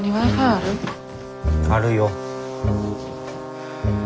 あるよ。